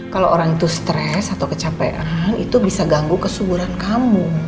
kalau orang itu stres atau kecapean itu bisa ganggu kesuburan kamu